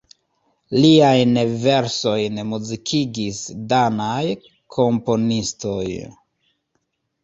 Liajn versojn muzikigis danaj komponistoj.